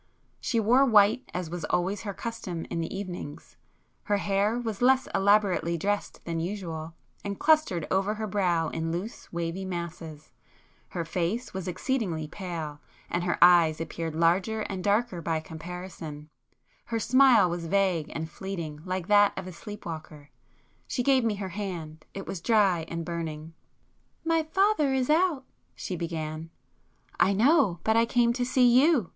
She wore white as was always her custom in the evenings,—her hair was less elaborately dressed than usual, and clustered over her brow in loose wavy masses,—her face was exceedingly pale, and her eyes appeared larger and darker by comparison—her smile was vague and fleeting like that of a sleep walker. She gave me her hand; it was dry and burning. "My father is out—" she began. [p 197]"I know. But I came to see you.